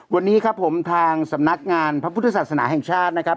วันนี้ครับผมทางสำนักงานพระพุทธศาสนาแห่งชาตินะครับ